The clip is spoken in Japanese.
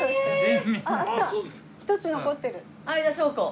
「相田翔子」